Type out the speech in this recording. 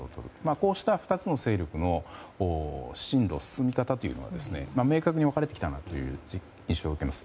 こうした２つの勢力の進路、進み方というのは明確に分かれてきたなという印象を受けます。